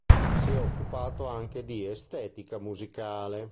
Si è occupato anche di Estetica musicale.